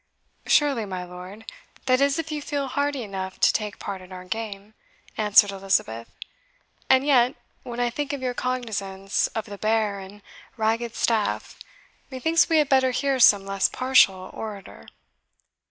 "Surely, my lord that is, if you feel hearty enough to take part in our game," answered Elizabeth; "and yet, when I think of your cognizance of the bear and ragged staff, methinks we had better hear some less partial orator."